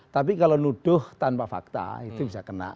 tapi kalau nuduh tanpa fakta itu bisa kena